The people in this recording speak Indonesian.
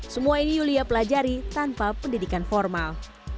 semua ini yulia pelajari tanpa pendidikan formal